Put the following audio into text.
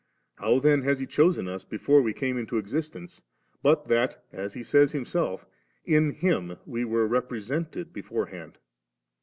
How then has He chosen us, before we came into existence, but that, as he says himself, in Him we were represented^ before hand